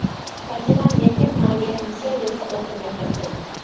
تەرجىمان: يەكەن ناھىيە مىشا يېزىلىق ئوتتۇرا مەكتەپتىن.